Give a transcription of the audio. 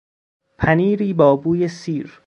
پنیری با بوی سیر